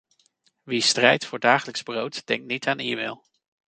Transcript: Wie strijdt voor dagelijks brood denkt niet aan e-mail.